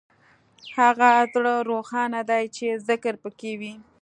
هغه زړه روښانه دی چې ذکر پکې وي.